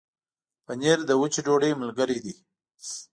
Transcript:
پنېر د وچې ډوډۍ ملګری دی.